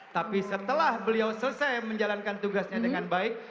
tapi setelah beliau selesai menjalankan tugasnya dengan baik